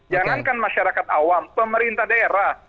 jangankan masyarakat awam pemerintah daerah